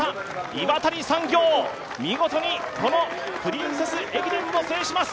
岩谷産業、見事にこのプリンセス駅伝を制します。